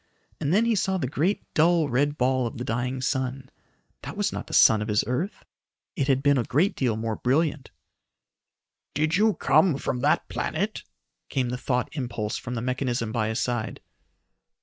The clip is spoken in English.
And then he saw the great dull red ball of the dying sun. That was not the sun of his earth. It had been a great deal more brilliant. "Did you come from that planet?" came the thought impulse from the mechanism by his side.